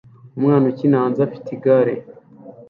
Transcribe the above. Umwana ukina hanze afite igare